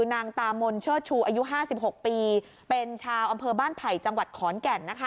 นางตามนเชิดชูอายุ๕๖ปีเป็นชาวอำเภอบ้านไผ่จังหวัดขอนแก่น